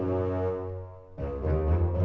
gak ada apa apa